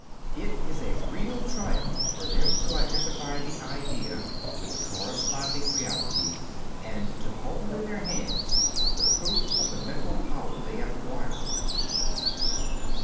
It is a real triumph for them to identify the idea with the corresponding reality and to hold in their hands the proof of the mental power they have acquired.